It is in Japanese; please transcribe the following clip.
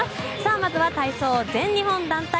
まずは体操全日本団体。